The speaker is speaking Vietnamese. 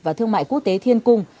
và thương mại quốc tế thiên cung